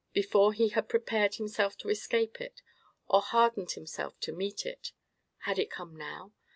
—before he had prepared himself to escape it, or hardened himself to meet it? Had it come now?